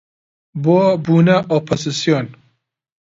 بۆ بوونە ئۆپۆزسیۆن